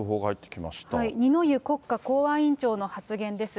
二之湯国家公安委員長の発言です。